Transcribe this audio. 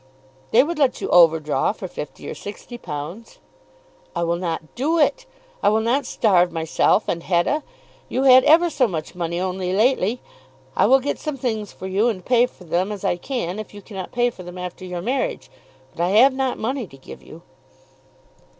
"They would let you overdraw for £50 or £60." "I will not do it. I will not starve myself and Hetta. You had ever so much money only lately. I will get some things for you, and pay for them as I can if you cannot pay for them after your marriage; but I have not money to give you."